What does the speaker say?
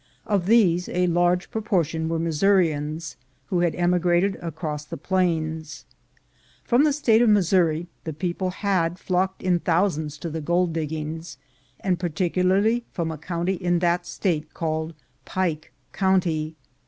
Of these a large proportion were Missourians, who had emigrated across the plains. From the State of Missouri the people had flocked in thousands to the gold diggings, and par ticularly from a county in that state called Pike County.